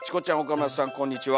こんにちは。